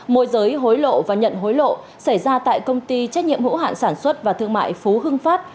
môi giới hối lộ và nhận hối lộ xảy ra tại công ty trách nhiệm hữu hạn sản xuất và thương mại phú hưng phát